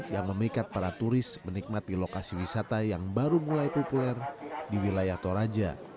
yang memikat para turis menikmati lokasi wisata yang baru mulai populer di wilayah toraja